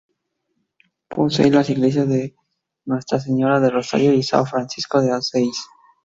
Posee las iglesias de Nuestra Señora del Rosário y São Francisco de Assis.